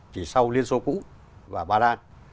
chỉ sau liên xô cũ và ba lan